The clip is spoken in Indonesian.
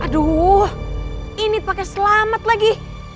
aduh ini pakai selamat lagi